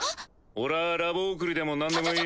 俺はラボ送りでもなんでもいい。